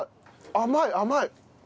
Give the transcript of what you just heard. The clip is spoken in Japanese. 甘い甘い！